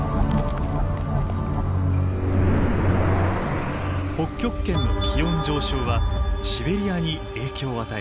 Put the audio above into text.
北極圏の気温上昇はシベリアに影響を与えます。